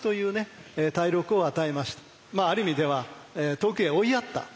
ある意味では遠くへ追いやった。